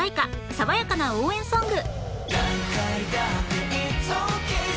爽やかな応援ソング